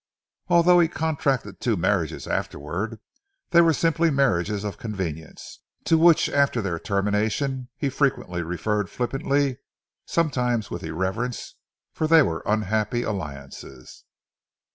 And although he contracted two marriages afterward, they were simply marriages of convenience, to which, after their termination, he frequently referred flippantly, sometimes with irreverence, for they were unhappy alliances.